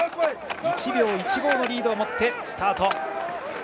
１秒１５のリードを持ってスタート。